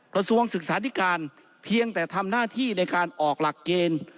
กระทรวงศึกษาธิการเพียงแต่ทำหน้าที่ในการออกหลักเกณฑ์